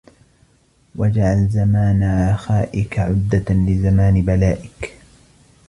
وَاجْعَلْ زَمَانَ رَخَائِك عُدَّةً لِزَمَانِ بَلَائِك